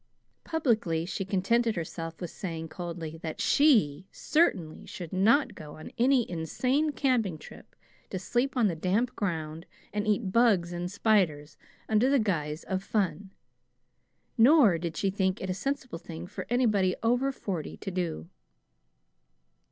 Publicly she contented herself with saying coldly that SHE certainly should not go on any insane camping trip to sleep on damp ground and eat bugs and spiders, under the guise of "fun," nor did she think it a sensible thing for anybody over forty to do.